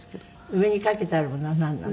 上にかけてあるものはなんなの？